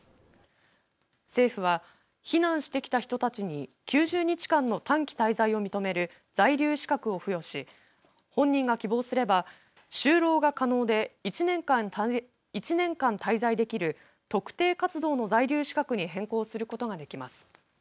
政府は避難してきた人たちに９０日間の短期滞在を認める在留資格を付与し本人が希望すれば就労が可能で１年間滞在できる特定活動の在留資格に変更することができます。